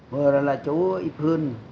vừa rồi là chú y phương